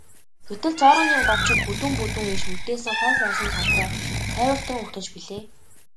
Гэтэл цооргонын год шиг бүдүүн бүдүүн иш үлдээсэн хов хоосон талбай цайвартан угтаж билээ.